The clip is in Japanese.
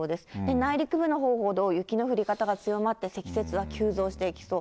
内陸部のほうほど、雪の降り方が強まって、積雪は急増していきそう。